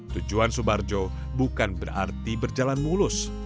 tujuan subarjo bukan berarti berjalan mulus